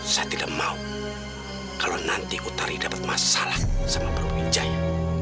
saya tidak mau kalau nanti utari dapat masalah sama prabu wijaya